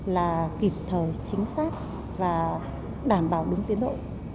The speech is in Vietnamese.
là kịp thời chính xác và đảm bảo đúng tiến độ